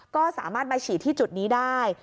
ก็สามารถมาฉีดที่จุดนี้ได้